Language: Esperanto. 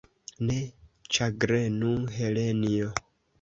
Ne ĉagrenu, Helenjo!